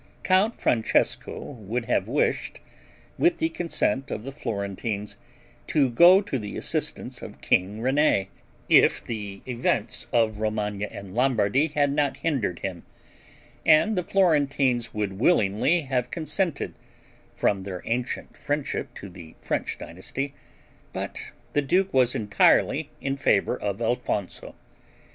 Count Francesco would have wished, with the consent of the Florentines, to go to the assistance of king René, if the events of Romagna and Lombardy had not hindered him; and the Florentines would willingly have consented, from their ancient friendship to the French dynasty, but the duke was entirely in favor of Alfonso.